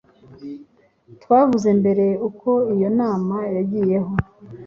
Twavuze mbere ukwo iyo nama yagiyeho.